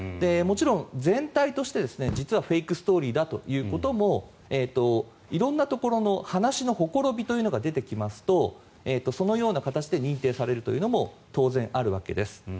もちろん全体として実はフェイクストーリーだということも色んなところの話のほころびというのが出てきますとそのような形で認定されるということも当然あるわけです。